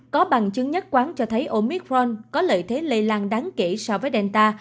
có bằng chứng nhất quán cho thấy omitron có lợi thế lây lan đáng kể so với delta